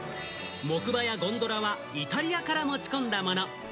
木馬やゴンドラはイタリアから持ち込んだもの。